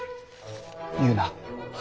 言うな。